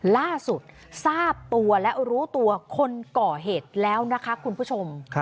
ล่าสุดทราบตัวและรู้ตัวคนก่อเหตุแล้วนะคะคุณผู้ชม